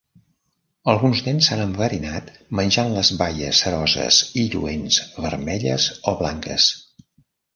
Alguns nens s'han enverinat menjant les baies ceroses i lluents vermelles o blanques.